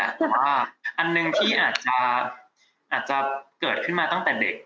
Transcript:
แต่ว่าอันหนึ่งที่อาจจะเกิดขึ้นมาตั้งแต่เด็ก